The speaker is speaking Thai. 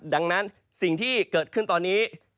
ดังนั้นสิ่งที่เกิดขึ้นตอนนี้